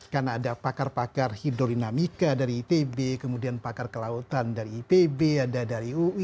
karena ada pakar pakar hidrodinamika dari itb kemudian pakar kelautan dari ipb ada dari uu